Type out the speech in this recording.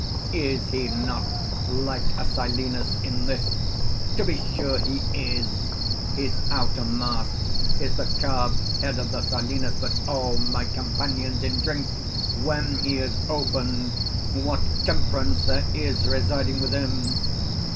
Is he not like a Silenus in this? To be sure he is: his outer mask is the carved head of the Silenus; but, O my companions in drink, when he is opened, what temperance there is residing within!